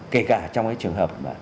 kể cả trong cái trường hợp